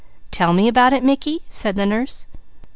"Tell me about it, Mickey?" said the nurse.